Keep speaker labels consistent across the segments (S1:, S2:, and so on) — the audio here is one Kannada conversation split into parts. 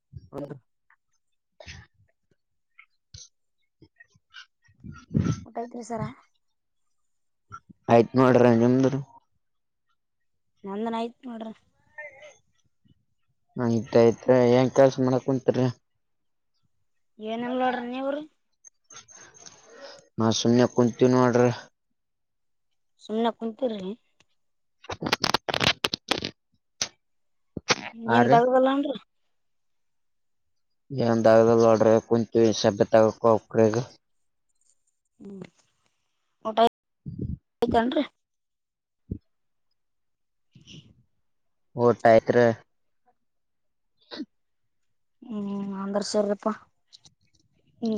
S1: [inaudible]
S2: [inaudible]
S1: ಉಟಾತ್ರಿ ಸರ್
S2: ಆಯ್ತು ನೋಡ್ರಿ ನಿಮ್ದ್ ರೀ
S1: ನಂದನ ಆಯ್ತ್ ನೊಡ್ರಿ
S2: ಆಯ್ತ ಆಯ್ತ್ರ್ಯಾ ಏನ್ ಕೆಲಸ ಮಾಡಕ್ ಕುಂತಿರಿ
S1: ಏನಿಲ್ಲ ನೋಡ್ರಿ ನಿವ್ರಿ
S2: ನಾ ಸುಮ್ನೆ ಕುಂತಿನಿ ನೊಡ್ರಿ
S1: ಸುಮ್ನ ಕುಂತೀರ್ರಿ
S2: [unintelligible]
S1: ಏನ್
S2: ಆರಿ
S1: ದಗದ ಇಲ್ಲನ್ರೀ
S2: ಏನ್ ದಗದ ಇಲ್ಲ ನೋಡ್ರಿ ಕುಂತೀವಿ ಸಭ್ಯ ತಗೆಕ ಹೋಗಬೇಕ್ರಿ ಈಗ
S1: ಹ್ಮ್ ಊಟ ಆಯ್ತ್ ಏನ್ರಿ [inaudible]
S2: ಊಟ ಅಯ್ತ್ರಿ
S1: ಹ್ಮ್ ಅಂದ್ರ ಸರಿಯೇಪ್ಪ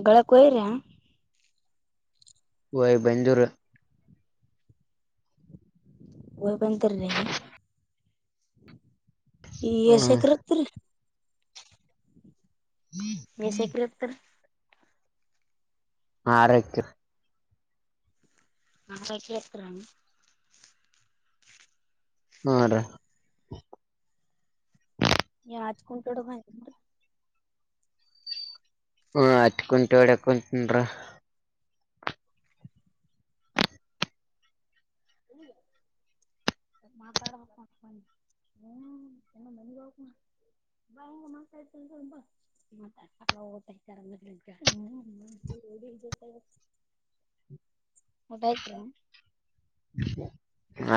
S1: ಗಳೇಕೊಗೀರ್ಯಾ
S2: ಹೋಗಿ ಬಂದ್ವರೀ
S1: ಹೋಗಿ ಬಂದರ್ಯಾ ಯೇಸ
S2: ಹ್ಮ್
S1: ಎಕರೆ ಇತ್ರೀ [unintelligible]
S2: ಆರೆಕ್ಕ
S1: [unintelligible]
S2: ಹಾ ರೀ
S1: [unintelligible]
S2: ಹ್ಮ ಅಟ್ಕುಂಟಿ ಹೊಡ್ಯಾಕುಂಟನ್ರೀ
S1: [inaudible] ಮಾತಾಡ್ಬೇಕ್ ಅಂತ ಬಂದ್ನೀ ಹ್ಮ್ ಇನ್ನ ಮನಿಗ ಹೋಗ್ಬೇಕ್ ನಾ [unintelligible] ಊಟಾಯ್ತ್ರ್ಯಾ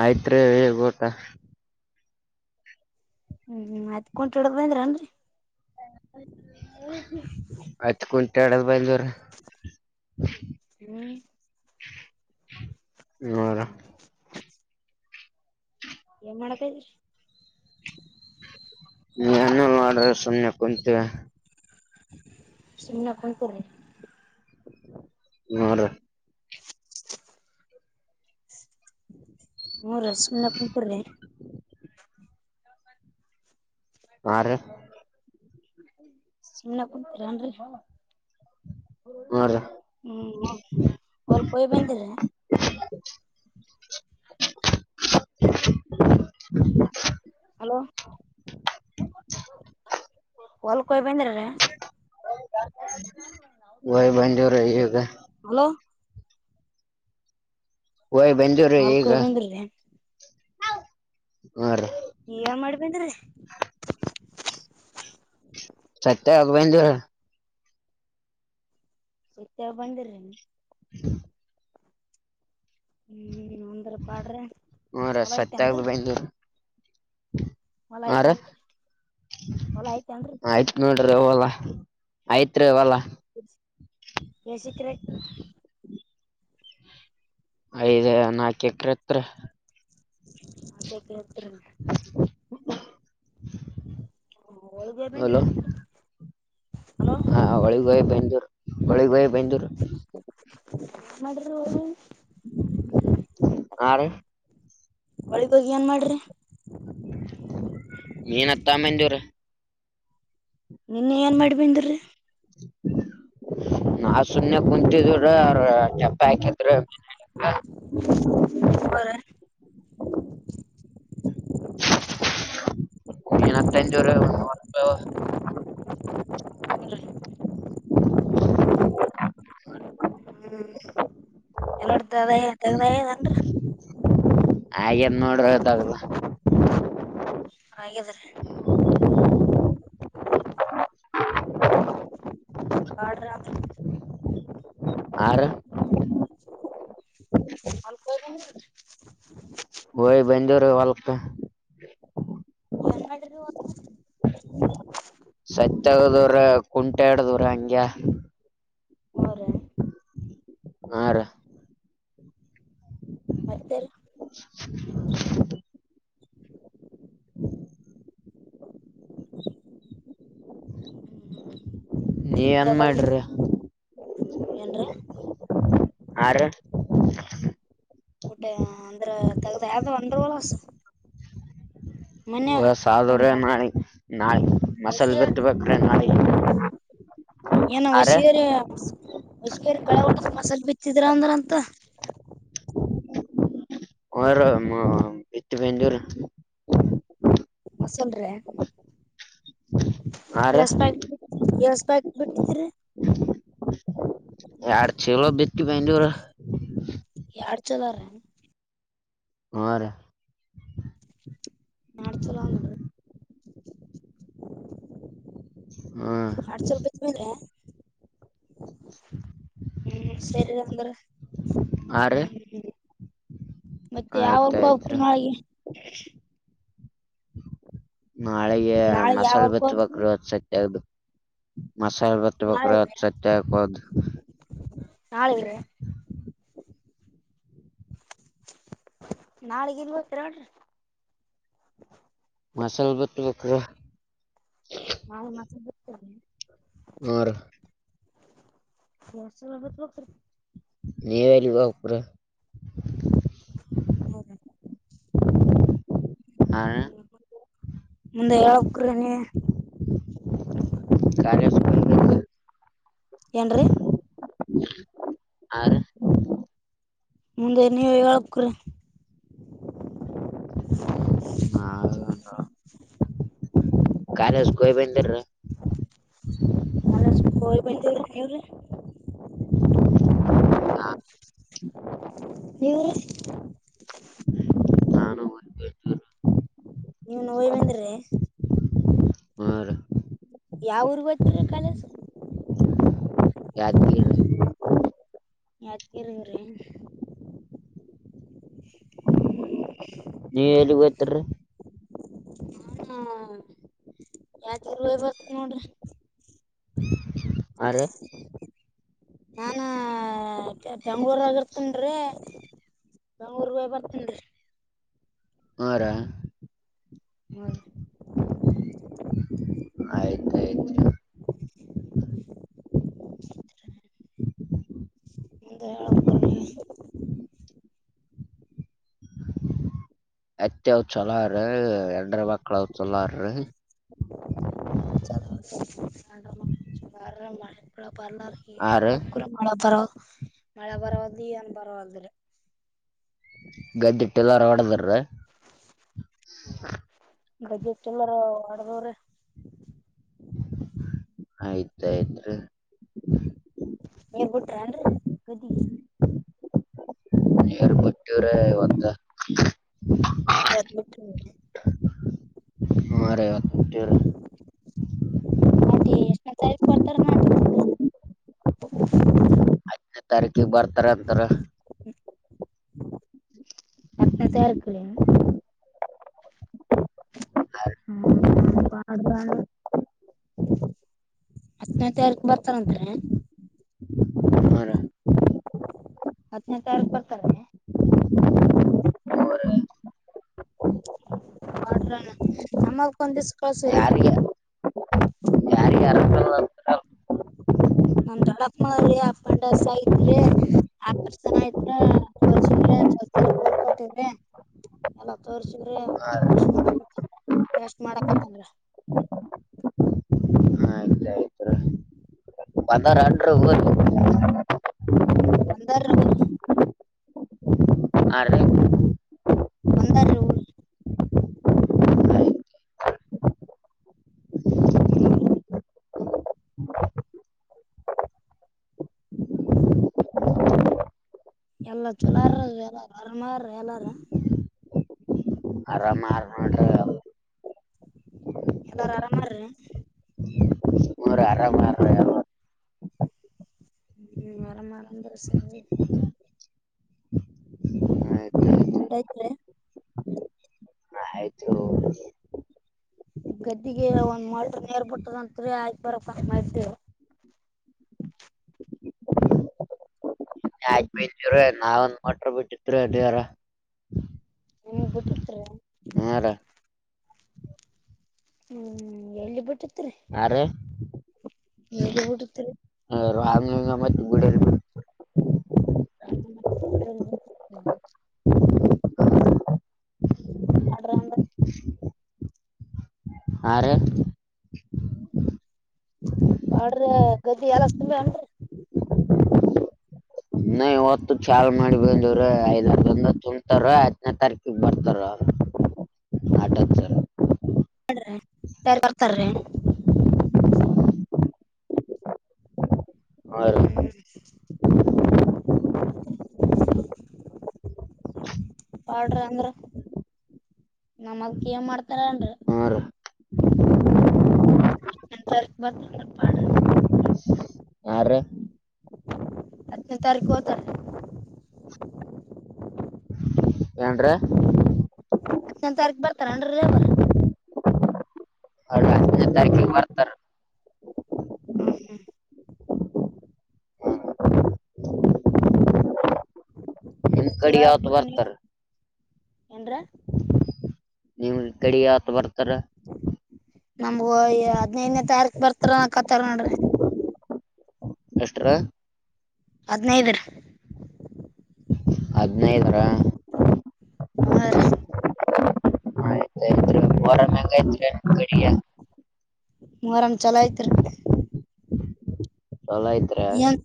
S2: ಆಯ್ತ್ರೀ ಈಗ ಊಟ
S1: ಹ್ಮ್ ಆಯ್ತ್ ಕುಂಟಿ ಹೊಡದ ಬಂದ್ರೇನ್ರೀ
S2: ಆಯ್ತು ಕುಂಟಡದ್ ಬಂದ್ವ
S1: ಹ್ಮ್
S2: [unintelligible] ಹೌದಾ
S1: ಏನ್ ಮಾಡಕ
S2: ನಾನ ಮಾಡಡ ಸುಮ್ನೆ ಕುಂತೆ
S1: ಸುಮ್ನೆ ಕುಂತಿರಿ
S2: ಹ್ಮ್ಮ್ ರಿ
S1: ಹ್ಮ್ಮ್ ರಿ ಸುಮ್ನೆ ಕುಂತಿರಿ
S2: ಹಾ ರಿ
S1: ಸುಮ್ನೆ ಕುಂತಿರಿ ಎಂದ್ರಿ
S2: ನೋಡ್ರಿ
S1: ಹ್ಮ್ [unintelligible] ಹೊಲಕ್ ಹೋಗ್ಬಂದ್ರಾ
S2: [unintelligible]
S1: ಹಲೋ ಹೊಲ್ಕ್ ಹೋಗ್ಬಾದ್ರ
S2: ಹೋಗ್ ಬಂದ್ವೇರಿ ಈಗ
S1: ಹಲೋ
S2: ಯ್ ಬಂದಿ್ರೀ
S1: ಹೊಲ್ಕ್
S2: ಈಗ
S1: ಹೋಗಿ ಬಂದಿರ್ರಿ
S2: ಹ [unintelligible]
S1: ಏನ್ ಮಾಡ್ಬೇಂದ್ರಿ
S2: ಸತ್ಯ [unintelligible]
S1: ಸತ್ಯಾಗ ಬಂದಿರಿ ನೀ
S2: ಹ [unintelligible]
S1: ಹ್ಮ್ ಅಂದ್ರ ಪಾಡ್ರಿ
S2: ಹರ
S1: ಹೊಲ
S2: ಸತ್ಯ
S1: ಐತೇನ್ರಿ
S2: [unintelligible]
S1: ಹೊಲ ಆಯ್ತಂದ್ರಿ ಹೊಲ ಆಯ್ತನ್್ರ
S2: ವಲ್ಲ ಆಯ್ತ್ ರೀವಲ್ಲ
S1: ಯಸಿಕ್ರ [unintelligible]
S2: ಐದ ನಾಕ ಎಕ್ರೆ ಐತ್ರಿ
S1: ಅದ ಕತ್ರ [unintelligible] [unintelligible] ಹೊಲ್ಗ್ ಹೋಗಿ
S2: [unintelligible] ಹಲೋ
S1: ಬಂದ್ರೇನ್ರಿ ಹಲೋ
S2: ಹಾ ಒಳಿಗ ಹೋಗಿ ಬಂದೂ ಒಳಿ ಭಾಯ.. [unintelligible]
S1: ಮಾಡ್ರರು.. [unintelligible]
S2: ಹಾ ರಿ
S1: ಒ.. [unintelligible]
S2: ನೀೀನ ಎತ್ತಾ ಮಂದೂರೆ
S1: ನಿನ್ ಏನ್ ಮಾಡಿಬನ್್ರಿ
S2: ನಾ ಶೂನ್ ಕುಂಂತಿ ಜರ ಚಪ ಕತ್ರ
S1: ಬರ. [unintelligible]
S2: ಜರ.. [unintelligible]
S1: ಹ [unintelligible] ಹ್ಮ್ ಎಲ್ಲ [unintelligible] [unintelligible]
S2: ಹಾಗೇನ್ ನೋಡ್ರ [unintelligible]
S1: ಹಾಗಾದ್ರೀ ಆಡ್ರ
S2: ಆರ
S1: ಹ [unintelligible]
S2: ಹೋಗಿ ಬಂದೋ ರೀ ಹೊಲಕ್ಕ
S1: [unintelligible] [unintelligible]
S2: [unintelligible] [unintelligible] ಹಾ ರಿ
S1: ಮತ್ತೆ
S2: [unintelligible]
S1: [unintelligible] ಹ್ಮ [unintelligible]
S2: ನೀ ಎನ್ ಮಾಡ್ರಿ
S1: ಏನ್ದ್ರಿ
S2: ಹಾ ರಿ
S1: ಊಟೆ ಅಂದ್ರ ತಗದ ಯಾವ್ದ ಅಂದ್ರ ಒಲಸ
S2: [unintelligible] ನಾಯಿ ನಾಯಿ ಮಸಾಲ
S1: ವಸಿಯ
S2: ಬಿತ್ತಬೇಕ್ರೆ ನಾಯಿ
S1: ಏನ ಹೊಷಗೇರಿ ಹೊಷಗೇರಿ ಗಳ ಉಟ ಮಸಾಲ ಬಿ ಚಿತ್ರತ್ರಾಂದ್ರಂತ
S2: [unintelligible]
S1: ಮಸಾಲ್ರಿ
S2: ಆರ
S1: S bike B S bike ಬಿಟ್ಟಿದಿರಿ
S2: ಯಾರ ಚಲೋ [unintelligible]
S1: ಯಡ್ ಚದಾರ
S2: ಆ
S1: ನಡಚಲಡ
S2: ಹ್ಮ್
S1: [unintelligible] ಹ್ಮ್ ಸರಿ ಅಂದ್ರೆ
S2: ಆರಿ
S1: ಹ್ಮ ಮತ್ತೆ
S2: ಆಯ್ತ್
S1: ಯಾವ
S2: ಆಯ್ತ್ರಿ
S1: ನಾಳೆಗೆ
S2: ನಾಳೆಗೆ
S1: ನಾಳೆ ಯಾವ
S2: ಮಸಾಲೆ
S1: ವರ್ಕ್
S2: ಬಿತ್ಬೇಕ
S1: ಹೋಗ್ರಿ
S2: ರದ ಸತ್ಯ ಆಗ್ಬೇಕು ಮಸಾರ್
S1: ನಾಳೆ
S2: ಬತಪಕ್ರತ್ ಸತ್ಯ ಪದ
S1: ಹ ನಾಳಗ ಇಲ್ವತ್ತಡಿ
S2: ಮಸಾಲ ಬಿಟ್ಟ ಬ್ರ
S1: [unintelligible]
S2: ಆರಿ
S1: [unintelligible]
S2: [unintelligible]
S1: ಹರ
S2: ಆರ
S1: [unintelligible] ಮುಂದೆ ಹೇಳಬೇಕ್ಕರಿ ನೀವೇ
S2: [unintelligible]
S1: ಏನ್ರೀ
S2: ಆ
S1: ಮುಂದೆ ನೀವು ಹೇಳಬೇಕ್ರಿ
S2: ಹ ಕಾಲೇಜ್ ಹೋಗಿ ಬಂದ್ರಿ
S1: ಇವರು ನಿವರೇ
S2: ನಾನು [unintelligible]
S1: ನೀವ್ ನೋಯ್ ಬಂದ್ರಿ
S2: ಹ ರಿ
S1: ಯಾವೂರಿಗೆ ಹೋಗ್ತೀರಿ ಕಾಲೇಜಿಗೆ
S2: [unintelligible]
S1: ಯತ್ಕರಿರೀ
S2: ನೀವ್ ಎಲ್ಲಿ ಹೋಗ್ತೀರಿ
S1: ಹ್ಮ ಯಾತ ನೋಡ್ರಿ
S2: ಅ ರಿ
S1: ನಾನ ಬೆಂಗಳೂರುನಗಿ ಇರ್ತೇನ್ ರಿ ಬೆಂಗಳೂರು ಹೋಗಿದ್ ಬರ್ತೀನಿ
S2: ಹ ರಿ ಆಯ್ತ ಆಯ್ತ್ರಿ
S1: ಹ [unintelligible] ಮುಂದರ ಹಪೂರ್ ನೀ
S2: [unintelligible] ಮಕ್ಕಳಲ್ಲಾರೀ
S1: ಮಾಡಡ ಬರ್ಲ್ಲಾರ
S2: ಆರ
S1: ಮಾಡ ಕೂರ ಮಾಡ ಬರ ಮಳೆ ಪರವದು ಏನ್ ಪರವಾಗಿಾದ್ರ
S2: [unintelligible]
S1: ಬಜಟ್ ಎಲ್ಲಾರ ಮಾಡಡದವ್ರೆ
S2: ಆಯ್ತಾಯ್ತ್ರಿ
S1: ಹೇಗ್ಬಿಟ್ರ ಅನ್ರರಿ ಗದಿ
S2: ನೀರು ಪಟ್ಟೂರ ಒಂದ
S1: ಯ
S2: ಮಾರ
S1: ನಟಿ ಎಷ್ಟ ನ ತಾರಕ್ ಬರ್ತಾರ ನ [unintelligible]
S2: ದನದು ತಾರೀಕಿಗೆ ಬರ್ತಾರ ಅಂತಾರ
S1: ಕ್ನಸಕ್ಕಲ ಹ್ಮ್ ಪ ಹತ್ತನೇ ತಾರೀಕು ಬರ್ತಾರಂತ್ರ
S2: ಹ
S1: ಹದನೇ ತಾರೀಕು ಬರ್ತಾರೆ ಮಾಡಡಣ ನಮ್ಮ ಕೊ ದಸ ಕಳ ಸರ್
S2: ಯಾರಿಗ ಯಾರಿಗ ಆರಾಮಿಲ್ಲ ಅಂತಾರ
S1: ನಮ ತಳಕ್ ಮಾಡ್ರಿ ಅಪ್ಪಂಡಸ ಐತ್ರಿ ಆಪರ್ ಜನ ಐತ್ ಸ್ವ ಬೋರ್ಕ ಕೊಟ್ಟಿದ್ರಿ ಎಲ್ಲ ತೋರ್ಸವ್ರಿ ನಾ ರಶ್ ಮಾಡಕ ರಸ್ ಮಾಡಕತ್ತನ್ರ [unintelligible]
S2: ಪಂದಾರ ಅಂಡರ ಊ
S1: ಹ್ಮ್ ಬಂದಾರ
S2: ಆ
S1: ಬಂದಾರೀ ಊರ್
S2: ಆಯ್ತ್
S1: ಹೌ ಎಲ್ಲ ಚುಲಾರ ಎಲ್ಲಾರ ಅರಮಾರ ಎಲ್ಲಾರ
S2: ಆರಾಮಾರ ನಟ್ರ
S1: ಎಲ್ಲಾರು ಆರಾಮಾರ್ರ
S2: ಆರಾಮ
S1: ಹ್ಮ ಮರ ಮರ ದಸ
S2: ಆಯ್ತ್ ಆಯ್ತ್ರಿ
S1: ಗಂಡತರೆ
S2: ಆಯ್ತ್ರಿ
S1: ಗದ್ದಿಗೆ ಒಂದ ಮ ನೇರ್ ಬಿಟ್ಟದತ್ ಆಯಕ ಬರಷ್ಟ ಮಾಡಿದ್ದೆ
S2: ಆವ್ರ ನಾವಂದ ಮಾಡಟ್ರ ಬಿಟ್ಟತ್ ಅದಾರ
S1: ನಿಮ ಬಿಟ್ಟಿತ್ರಿ ಹ್ಮ್ ಎಲ್ಲಿ ಬಿಟ್ಟು
S2: ಯಾರ್ರೀ
S1: ಎಲ್ಲಿ ಊಡುತ್ತ
S2: ಆ ಮ
S1: ಹಡ್ರ
S2: ಹಾ ರ
S1: ಬಾಡ್ರ ಗದ್ದಿ ಎಲ್ಲ ತುಅನ್ರಿ
S2: ನ ಇವತ್ತು ಚಾ ಮಾಡಿ ಬಂದವ್ರ ಐದ್ರಂದ ತುಂಬತಾರ ಹತ್ತನೇ ತಾರೀಕಿಗೆ ಬರ್ತಾರ
S1: [inaudible]
S2: ಆಟ ಸರ
S1: ತಾರ ಬರ್ತಾರೀ
S2: ಹ
S1: [inaudible] ಪೌಡ್ರಿ ಅಂದ್ರ ನಮ್ಮದಕ ಏನ್ ಮಾಡ್ತಾರ ಅನ್ ರೀ
S2: ಹ್ಞೂ
S1: ಅಂತ ಬ ಪ
S2: ಆರೆ
S1: ಹತ್ತನೇ ತಾರೀಕು ಹತಾರೆ [inaudible]
S2: ಏನ್ರೀ? [unintelligible]
S1: ಹತ್ತನೇ, ತಾರೀಕು ಬರ್ತಾರೆ ಅವರು? [unintelligible]
S2: ಅವರ ಅಷ್ಟು ಜನ ಬ್ಯಾಂಕಿಂಗ್ ಮಾಡ್ತಾರೆ? [unintelligible]
S1: ಹೂ, ಹೂ. [unintelligible] [unintelligible] [inaudible]
S2: ಈ ಕಡೆ ಯಾಕ್ ಬರ್ತಾರೆ? [unintelligible]
S1: ಏನ್ರಿ? [unintelligible]
S2: ಈ ಕಡೆ ಯಾಕ್ ಬರ್ತಾರೆ? [unintelligible]
S1: ನಮ್ಗೂ ಹದ್ನೈದನೇ ತಾರೀಕ ಬರ್ತಾರ ಕತಾರ ನೋಡ್ರಿ. [unintelligible]
S2: ಎಸ್ಟುರಿ? [inaudible]
S1: ಹದಿನೈದು, ರಿ. [unintelligible]
S2: ಹದಿನೈದು, ರಾ. [inaudible]
S1: ಆ, ರಿ. [inaudible]
S2: ಬರಂಗೈತಿ ಬಡಿಯಾ? [unintelligible]
S1: ಮೂರನ್ ಚಲೋ ಐತ್ರಿ. [unintelligible]
S2: ಚಲೋ ಐತ್ರಿ
S1: ಏನು,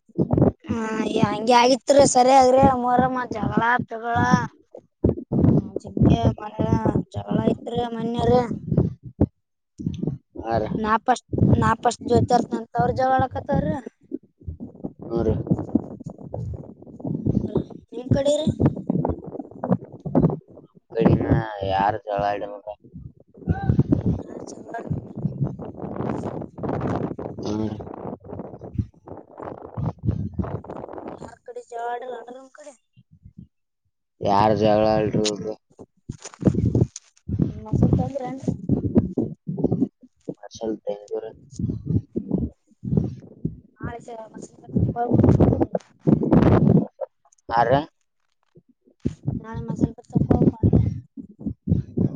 S1: ಹಾ. [unintelligible] ಹಂಗೆ, ಆಗಿತ್ರಿ ಸರಿಯಾದ್ರಿ! ಮೊರಾಮಾ, ಹ, ಜಿಂಗೆ, ಮಳೆ ಜಗಳ ಐತ್ರಿ! ಮನೇಲಿ? [unintelligible]
S2: ಆರ
S1: ನಾ ಫಸ್ಟ್! [inaudible] ನಾ ಫಸ್ಟ್, ಜ್ಯೋತಿರ್ಸನಂತ, ಅವ್ರ ಜಗಳ ಆಡಾಕತ್ತಾರಿ.
S2: ಹ್ಞೂ ರೀ
S1: [unintelligible] ಈ ಕಡೆ ರೀ? [unintelligible]
S2: ಯಾರು ಛಲ ಇಲ್ಲ ಹೋಗ? [unintelligible]
S1: ಯಾರು, ಚಲಗು. [unintelligible]
S2: ಹ್ಮ್
S1: ಬೇಜಾರಾಗಲ್ವಾ ಒಂದು ಕಡೆ? [unintelligible]
S2: ಆ ಜಗಳ ಆಡಿಲ್ಲ, ಅಡಿಲೂರೂರು. [inaudible]
S1: ಮೊಸರು, ತಂದ್ರ, ಏನ್ರೀ? [inaudible]
S2: ಮಾರ್ಷಲ್
S1: [inaudible]
S2: ತೆಂಗೂರು
S1: [unintelligible] ಆಯ್ತು ಹೇಳಮ್ಮ, ಮಕ್ರಿ ತುಂಬಾಯಿತ? [unintelligible]
S2: ಯಾರ್ರೀ? [inaudible]
S1: ಹಾ, ಇನ್ನ ಸ್ವಲ್ಪ ತಾಗಬೇಕು ತಡೆಯಿರಿ.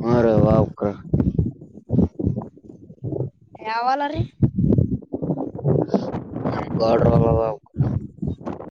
S2: ಹ್ಮ್ ರೀ ಒಬ್ರು
S1: [inaudible] [unintelligible] ಯಾವ ಹೊಲ, ರಿ. [unintelligible]
S2: ನಮ್, ಗೌಡ್ರು. [unintelligible]
S1: [unintelligible] [inaudible]